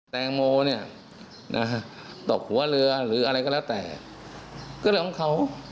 แตงโมเนี่ยนะฮะตกหัวเรือหรืออะไรก็แล้วแต่ก็เรื่องของเขา